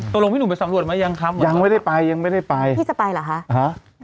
หลวงพี่หนุ่มไปสำรวจไหมยังครับยังไม่ได้ไปยังไม่ได้ไปพี่จะไปเหรอคะฮะ